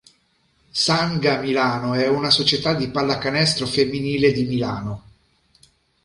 Sanga Milano è una società di pallacanestro femminile di Milano.